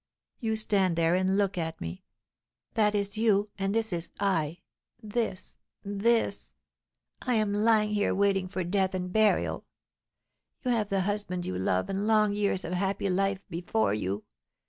You stand there and look at me; that is you and this is I, this, this! I am lying here waiting for death and burial. You have the husband you love, and long years of happy life before you.